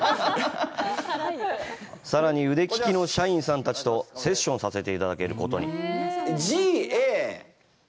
さらに腕利きの社員さんたちとセッションさせていただけることに！